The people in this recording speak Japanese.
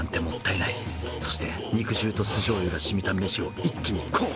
そして肉汁と酢醤油がしみた飯を一気にこう！